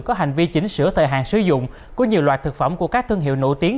có hành vi chỉnh sửa thời hạn sử dụng của nhiều loại thực phẩm của các thương hiệu nổi tiếng